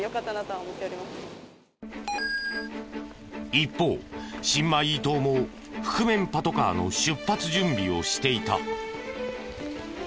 一方新米伊東も覆面パトカーの出発準備をしていた。